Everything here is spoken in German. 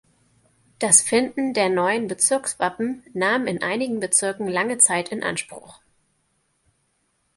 Das Finden der neuen Bezirkswappen nahm in einigen Bezirken lange Zeit in Anspruch.